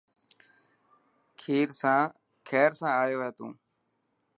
کير سان آيو هي تون.